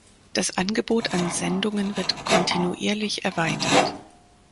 Das Angebot an Sendungen wird kontinuierlich erweitert.